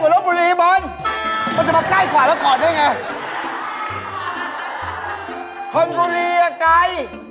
ล้อคบุรีขอเก๊ย